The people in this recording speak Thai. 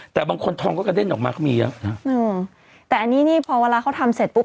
แต่บางคนทองก็กระเด้นออกมาก็มีเยอะนะอืมแต่อันนี้นี่พอเวลาเขาทำเสร็จปุ๊บ